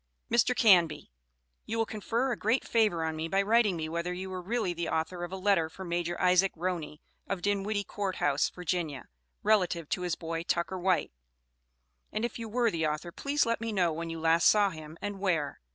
MR. CANBY: You will confer a great favor on me by writing me whether you were really the author of a letter to Major Isaac Roney, of Dinwiddie Court House, Va., relative to his boy Tucker White, and if you were the author, please let me know when you last saw him, and where.